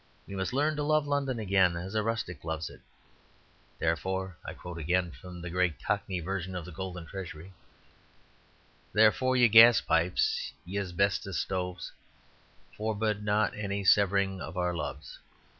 We must learn to love London again, as rustics love it. Therefore (I quote again from the great Cockney version of The Golden Treasury) "'Therefore, ye gas pipes, ye asbestos? stoves, Forbode not any severing of our loves.